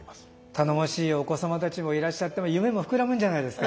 頼もしいお子様たちもいらっしゃって夢も膨らむんじゃないですか？